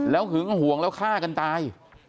แล้วหึงหวงแล้วฆ่ากันตาย